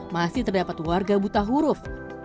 masih terdapat warga buta huruf